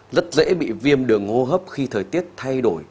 rất dễ bị viêm đường hô hấp khi thời tiết thay đổi